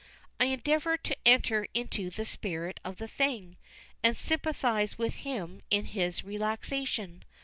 I endeavour to enter into the spirit of the thing, and sympathise with him in his relaxation.